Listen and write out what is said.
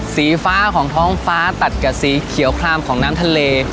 สีฟ้าของท้องฟ้าตัดกับสีเขียวคลามของน้ำทะเล